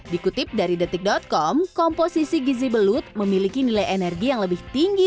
dikutip dari detik com komposisi gizi belut memiliki nilai energi yang lebih tinggi